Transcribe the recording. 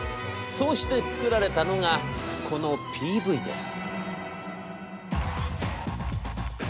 そうして作られたのがこのＰＶです」。